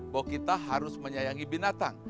bahwa kita harus menyayangi binatang